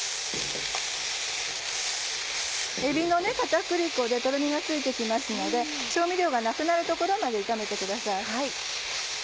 えびの片栗粉でとろみがついて来ますので調味料がなくなるところまで炒めてください。